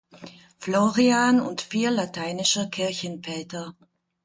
Florian und vier lateinische Kirchenväter.